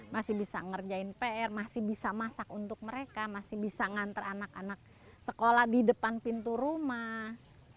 masih bisa ngerjain pr masih bisa masak untuk mereka masih bisa ngantar anak anak sekolah di depan pintu rumah